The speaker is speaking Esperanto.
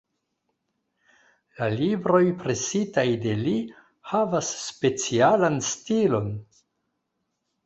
La libroj presitaj de li havas specialan stilon.